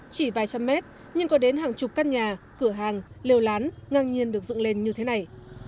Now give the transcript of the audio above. chỉ vài trăm mét nhưng có đến hàng chục căn nhà cửa hàng lều lán ngang nhiên được dựng lên như thế này